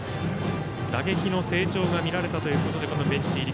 打撃の成長が見られたということでベンチ入り。